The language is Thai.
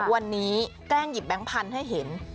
วันนี้แกล้งหยิบแบงค์พันธุ์ให้เห็น